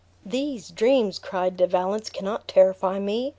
"These dreams," cried De Valence, "cannot terrify me.